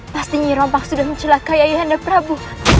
pasti nyirompang sudah mencelakai ayah anda prabu